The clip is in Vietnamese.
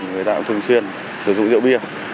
người ta cũng thường xuyên sử dụng rượu bia